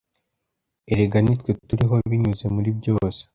erega nitwe turiho binyuze muri byose